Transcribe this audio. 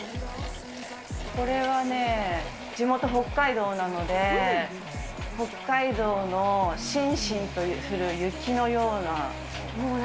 これはね、地元、北海道なので、北海道のしんしんと降る雪のような。